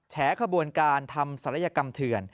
แฉขบวนการทำศัลยกรรมเถื่อน